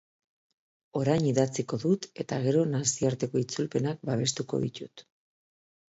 Orain idatziko dut eta gero nazioarteko itzulpenak babestuko ditut.